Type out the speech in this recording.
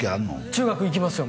中学行きますよ